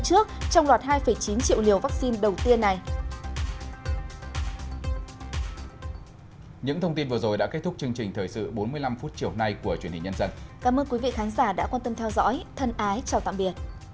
trong đoạt hai chín triệu liều vaccine đầu tiên này